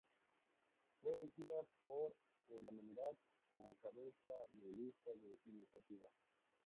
Fue elegida por unanimidad como cabeza de lista de Iniciativa.